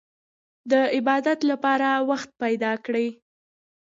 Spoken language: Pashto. د عبادت لپاره وخت پيدا کړئ.